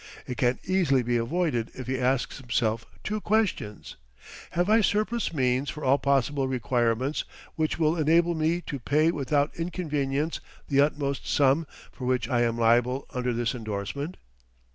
It can easily be avoided if he asks himself two questions: Have I surplus means for all possible requirements which will enable me to pay without inconvenience the utmost sum for which I am liable under this endorsement?